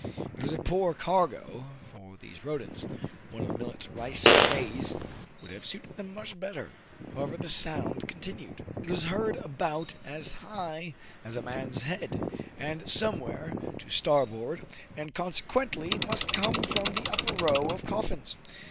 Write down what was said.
It was a poor cargo for these rodents.. One of millet, rice, or maize would have suited them much better. However, the sound continued. It was heard about as high as a man's head, and somewhere to starboard, and consequently must come from the upper row of coffins.